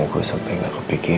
gue sampe gak kepikiran ya